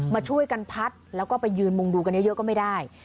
มาช่วยกันพัดแล้วก็ไปยืนมุงดูกันเยอะก็ไม่ได้